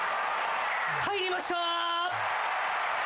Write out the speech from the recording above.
入りました！